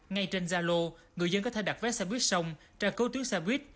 ngay trên zalo người dân có thể đặt vé xe buýt xong tra cấu tuyến xe buýt